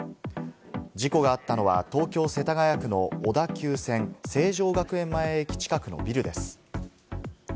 事故があったのは東京・世田谷区の小田急線・成城学園前駅近くのビルです。